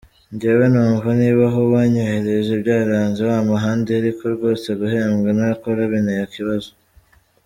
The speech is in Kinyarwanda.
Njyewe numva niba aho banyohereje byaranze bampa ahandi ariko rwose guhembwa ntakora binteye ikibazo”.